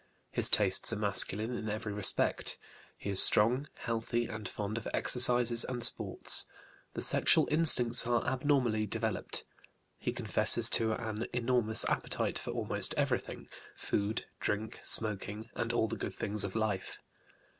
His tastes are masculine in every respect. He is strong, healthy, and fond of exercises and sports. The sexual instincts are abnormally developed; he confesses to an, enormous appetite for almost everything, food, drink, smoking, and all the good things of life.